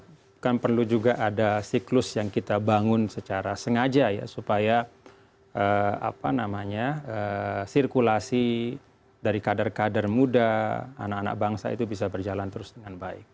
tapi kan perlu juga ada siklus yang kita bangun secara sengaja ya supaya sirkulasi dari kader kader muda anak anak bangsa itu bisa berjalan terus dengan baik